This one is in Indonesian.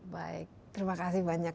baik terima kasih banyak